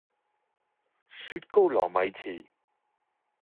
雪糕糯米糍